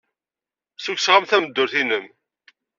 Ssukkseɣ-am-d tameddurt-nnem.